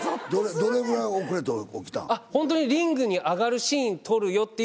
どれぐらい遅れて起きたん？